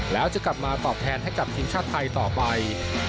แล้วจะกลับมาตอบแทนให้กับทีมชาติไทยต่อไป